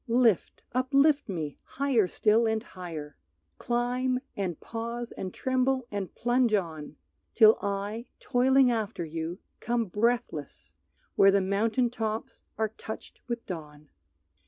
Lift, uplift me, higher still and higher! Climb and pause and tremble and plunge on, Till I, toiling after you, come breathless Where the mountain tops are touched with dawn!